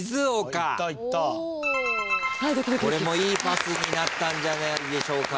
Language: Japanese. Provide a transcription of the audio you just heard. これもいいパスになったんじゃないでしょうか。